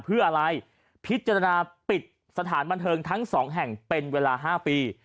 เพื่ออะไรพิจารณาปิดสถานบันเทิงทั้งสองแห่งเป็นเวลา๕ปี